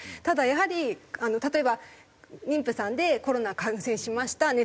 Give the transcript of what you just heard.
ただやはり例えば妊婦さんでコロナ感染しました。